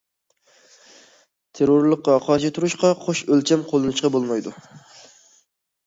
تېررورلۇققا قارشى تۇرۇشقا قوش ئۆلچەم قوللىنىشقا بولمايدۇ.